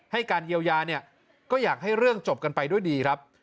การเยียวยาเนี่ยก็อยากให้เรื่องจบกันไปด้วยดีครับ